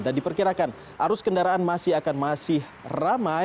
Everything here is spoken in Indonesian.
dan diperkirakan arus kendaraan masih akan masih ramai